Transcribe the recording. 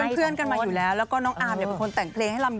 ค่อยเป็นเพื่อนกันมาอยู่แล้วแล้วก็น้องอาวเป็นคนแต่งเพลงให้รำ